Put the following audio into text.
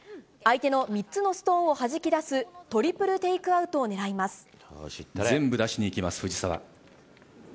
相手の３つのストーンをはじき出すトリプルテイクアウトを狙います。